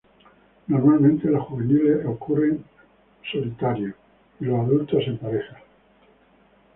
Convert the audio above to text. Normalmente los juveniles ocurren solitarios, y los adultos en parejas.